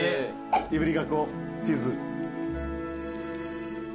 いぶりがっこチーズ。